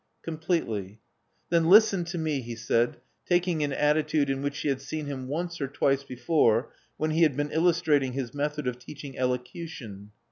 ''Completely." "Then listen to me," he said, taking an attitude in which she had seen him once or twice before, when he had been illustrating his method of teaching elocution.